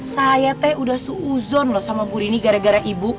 saya teh udah suuzon loh sama bu rini gara gara ibu